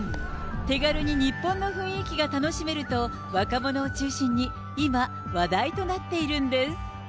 手軽に日本の雰囲気が楽しめると、若者を中心に今、話題となっているんです。